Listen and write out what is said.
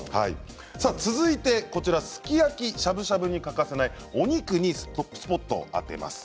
続いて、すき焼きしゃぶしゃぶに欠かせないお肉にスポットを当てます。